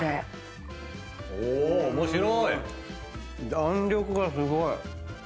弾力がすごい。